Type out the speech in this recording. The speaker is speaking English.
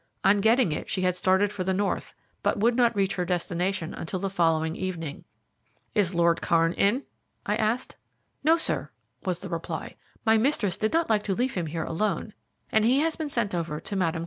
On getting it she had started for the north, but would not reach her destination until the following evening. "Is Lord Kairn in?" I asked. "No, sir," was the reply. "My mistress did not like to leave him here alone, and be has been sent over to Mme.